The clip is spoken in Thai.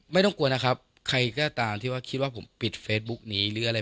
ไม่ต้องกลัวนะครับใครก็ตามที่ว่าคิดว่าผมปิดเฟซบุ๊กนี้หรืออะไร